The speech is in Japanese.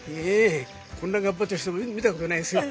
こんな頑張ってる人見た事ないですよ。